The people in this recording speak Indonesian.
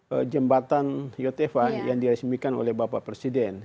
dukungan jembatan yoteva yang diresmikan oleh bapak presiden